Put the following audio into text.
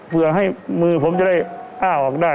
เพื่อให้มือผมจะได้อ้าออกได้